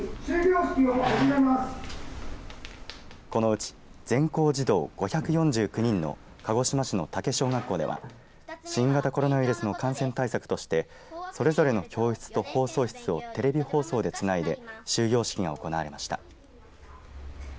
このうち全校児童５４９人の鹿児島市の武小学校では新型コロナウイルスの感染対策としてそれぞれの教室と放送室をテレビ放送でつないで終業式が行われました。